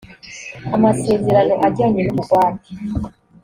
amasezerano ajyanye n’ ubugwate